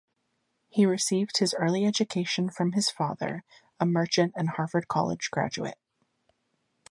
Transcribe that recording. He received his early education from his father, a merchant and Harvard College graduate.